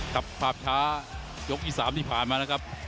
ครับภาพช้ายกที่๓ที่ผ่านมานะครับ